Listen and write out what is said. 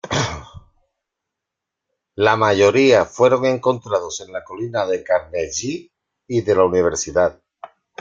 La mayoría fueron encontrados en la Colina de Carnegie y de la Universidad.